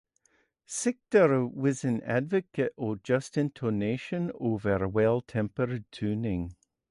Sechter was an advocate of just intonation over well-tempered tuning.